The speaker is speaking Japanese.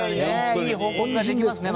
いい報告ができますね。